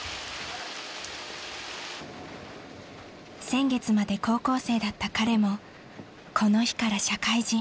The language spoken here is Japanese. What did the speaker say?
［先月まで高校生だった彼もこの日から社会人］